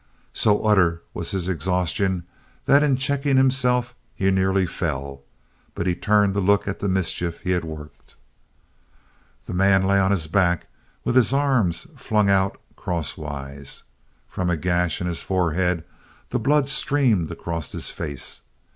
So utter was his exhaustion that in checking himself he nearly fell, but he turned to look at the mischief he had worked. The man lay on his back with his arms flung out cross wise. From a gash in his forehead the blood streamed across his face.